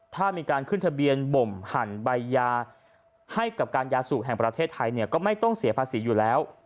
ถ้ามีการขึ้นทะเบียนบ่มหั่นใบยาให้กับการยาสูบแห่งประเทศไทยเนี่ยก็ไม่ต้องเสียภาษีอยู่แล้ว